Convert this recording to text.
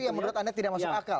yang menurut anda tidak masuk akal